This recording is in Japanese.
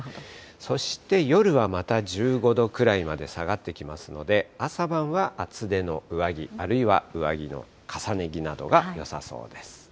そして夜はまた１５度くらいまで下がってきますので、朝晩は厚手の上着、あるいは上着の重ね着などがよさそうです。